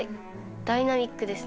ダイナミックですね。